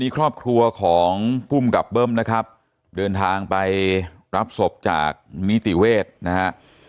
ครอบครัวของภูมิกับเบิ้มนะครับเดินทางไปรับศพจากนิติเวศนะฮะ